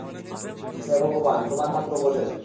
হে ভগবান, তোমার হাত রোবটের।